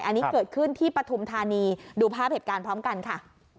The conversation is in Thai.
อันนี้เกิดขึ้นที่ปฐุมธานีดูภาพเหตุการณ์พร้อมกันค่ะ